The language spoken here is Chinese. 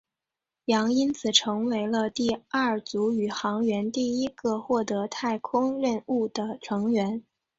杨因此成为了第二组宇航员第一个获得太空任务的成员。